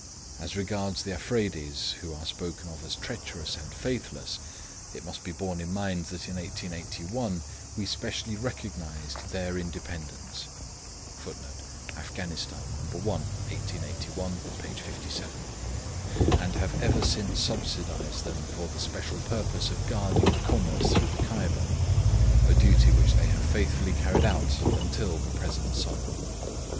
As regards the Afredis, who are spoken of as treacherous and faithless, it must be borne in mind that in 1881 we specially recognised their independence,[Footnote: Afghanistan No. 1, 1881, page 57.] and have ever since subsidised them for the special purpose of guarding the commerce through the Kyber; a duty which they have faithfully carried out until the present summer.